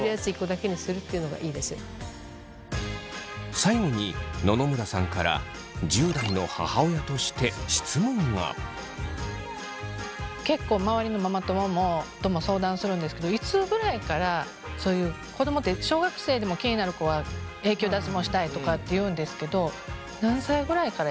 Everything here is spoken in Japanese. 最後に野々村さんから結構周りのママ友とも相談するんですけどいつぐらいからそういう子供って小学生でも気になる子は「永久脱毛したい」とかって言うんですけどそうですね。